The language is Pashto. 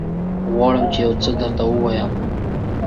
غواړم چې يوڅه درته ووايم.